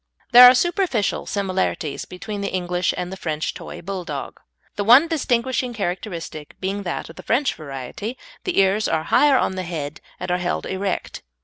There are superficial similarities between the English and the French toy Bulldog, the one distinguishing characteristic being that in the French variety the ears are higher on the head and are held erect.